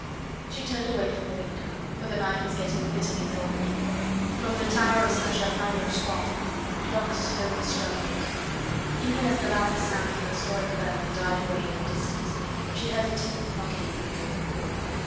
She turned away from the window, for the night was getting bitterly cold. From the tower of St. Germain l'Auxerrois the clock slowly struck eight. Even as the last sound of the historic bell died away in the distance she heard a timid knocking at the door.